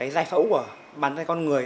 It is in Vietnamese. dài phẫu của bàn tay con người